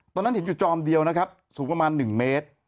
ตอนนั้นเห็นอยู่จอมเดียวนะครับสูงประมาณ๑เมตร